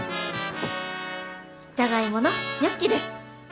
じゃがいものニョッキです。